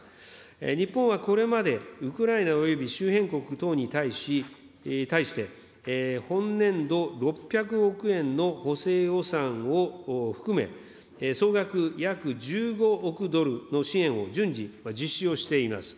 日本はこれまで、ウクライナおよび周辺国等に対して、本年度６００億円の補正予算を含め、総額約１５億ドルの支援を順次、実施をしています。